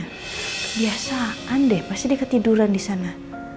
kebiasaan deh pasti dia ketiduran disana